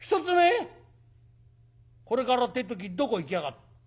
これからって時にどこ行きやがる。